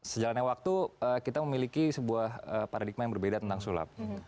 sejalannya waktu kita memiliki sebuah paradigma yang berbeda tentang sulap